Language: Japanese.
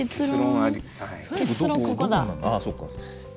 ああそうか。